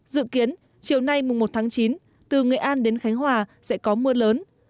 dự kiến chiều nay mùng một tháng chín từ nghệ an đến khánh hòa sẽ có mưa lớn